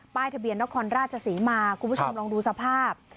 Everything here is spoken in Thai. ป้ายทะเบียนแล้วคอนราชสีมาคุณผู้ชมลองดูสภาพ